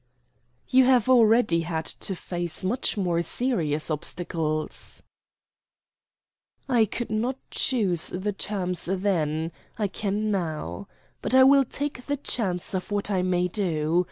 "You have already had to face much more serious obstacles." "I could not choose the terms then; I can now. But I will take the chance of what I may do.